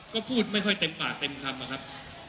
เขาบอกว่าอย่างไรรู้ไหมครับ